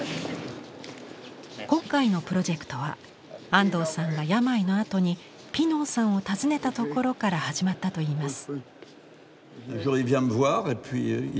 今回のプロジェクトは安藤さんが病のあとにピノーさんを訪ねたところから始まったといいます。